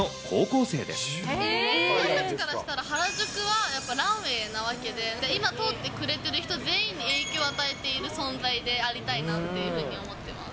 私たちからしたら原宿はやっぱランウェイなわけで、今通ってくれてる人全員に影響を与えている存在でありたいなって思ってます。